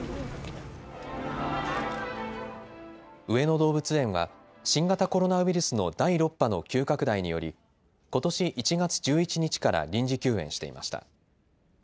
上野動物園は新型コロナウイルスの第６波の急拡大によりことし１月１１日から臨時休園していました。